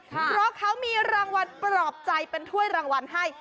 เพราะเขามีรางวัลปลอบใจเป็นถ้วยรางวัลให้